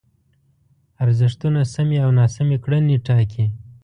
ارزښتونه سمې او ناسمې کړنې ټاکي.